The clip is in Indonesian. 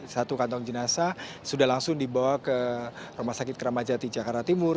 satu kantong jenazah sudah langsung dibawa ke rumah sakit keramajati jakarta timur